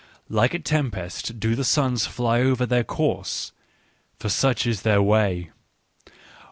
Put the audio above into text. " Like a tempest do the suns fly over their course : for such is their way.